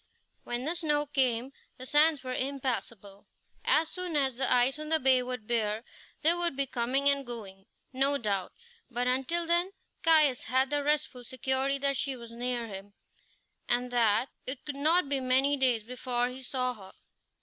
When the snow came the sands were impassable. As soon as the ice on the bay would bear, there would be coming and going, no doubt; but until then Caius had the restful security that she was near him, and that it could not be many days before he saw her.